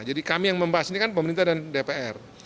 jadi kami yang membahas ini kan pemerintah dan dpr